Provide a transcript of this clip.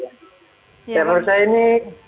dan menurut saya ini